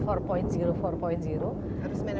harus main mental business model juga harusnya